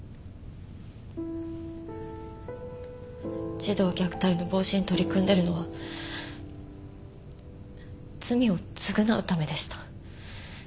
児童虐待の防止に取り組んでるのは罪を償うためでした。